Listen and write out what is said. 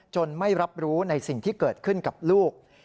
ไม่รับรู้ในสิ่งที่เกิดขึ้นกับลูก